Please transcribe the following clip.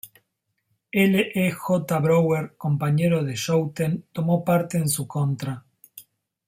L. E. J. Brouwer, compañero de Schouten, tomó parte en su contra.